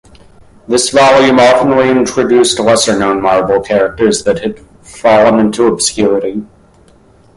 This volume often reintroduced lesser-known Marvel characters that had fallen into obscurity.